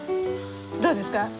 どうですか？